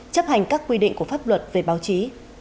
chấp hành các quy định của pháp luật về báo chí